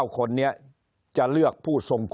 คนในวงการสื่อ๓๐องค์กร